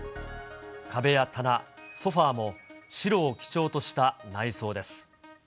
壁や棚、ソファも白を基調とした内装です。